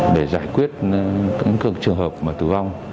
để giải quyết những trường hợp tử vong